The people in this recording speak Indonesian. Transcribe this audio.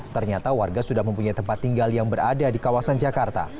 ternyata warga sudah mempunyai tempat tinggal yang berada di kawasan jakarta